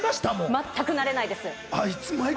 全くなれないです。